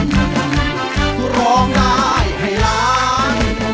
ร้องได้ให้ล้านร้องได้ให้ล้าน